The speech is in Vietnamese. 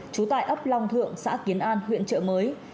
trú tại ấp long thượng xã kiến an huyện trợ mới